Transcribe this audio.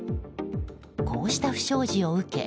こうした不祥事を受け